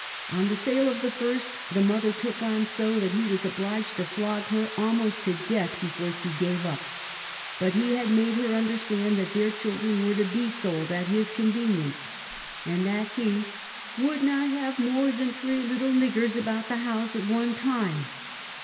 On the sale of the first, the mother " took on so that he was obliged to flog her almost to death before she gave up." But he had made her understand that their children were to be sold, at his convenience, and that he "would not have more than three little niggers about the house at one time."